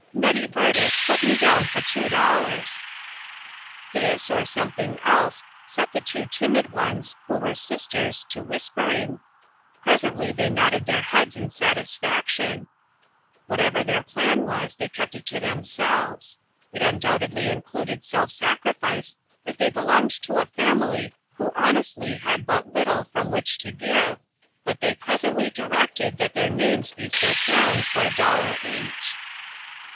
Nettie Burdick, put me down for two dollars." This, or something else, set the two timid ones, who were sisters, to whispering ; pres ently they nodded their heads in satisfaction. IO4 INTERRUPTED. Whatever their plan was, they kept it to themselves. It undoubtedly included self sacrifice, as they belonged to a family who honestly had but little from which to give, but they presently directed that their names be set down for a dollar each.